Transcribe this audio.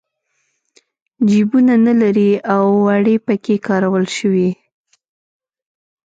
جېبونه نه لري او وړۍ پکې کارول شوي.